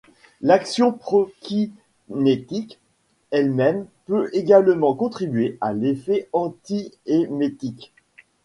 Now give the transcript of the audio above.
L’action prokinétique elle-même peut également contribuer à l'effet anti-émétique.